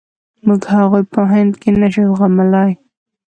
موږ هغوی په هند کې نشو زغملای.